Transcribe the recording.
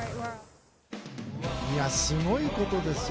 すごいことですよ。